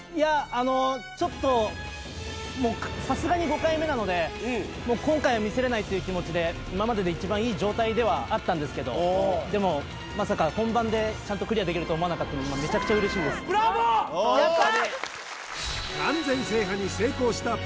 あのちょっともうさすがに５回目なので今回はミスれないという気持ちで今までで一番いい状態ではあったんですけどでもまさか本番でちゃんとクリアできるとは思わなかったので今めちゃくちゃ嬉しいですやった！